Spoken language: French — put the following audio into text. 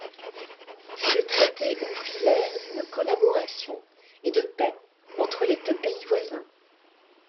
Ce traité ouvrit l'ère d'une collaboration et de paix entre les deux pays voisins.